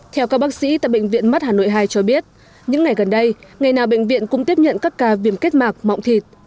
theo các bác sĩ tại bệnh viện mắt hà nội hai cho biết những ngày gần đây ngày nào bệnh viện cũng tiếp nhận các ca viêm kết mạc mọng thịt